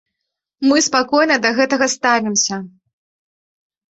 Мы спакойна да гэтага ставімся.